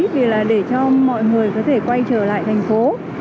vì là để cho mọi người có thể quay trở lại thành phố